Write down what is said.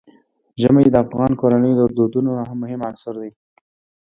ژمی د افغان کورنیو د دودونو مهم عنصر دی.